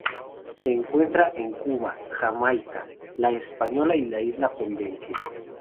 Se encuentra en Cuba, Jamaica, la Española y la isla de Providencia.